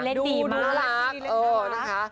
เตรตีมากนะคะ